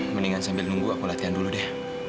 mendingan sambil nunggu aku latihan dulu deh